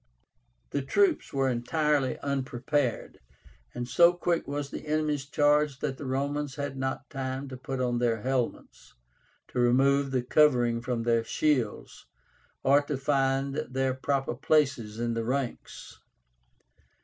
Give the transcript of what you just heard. The troops were entirely unprepared, and so quick was the enemy's charge that the Romans had not time to put on their helmets, to remove the covering from their shields, or to find their proper places in the ranks.